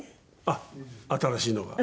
あっ新しいのが。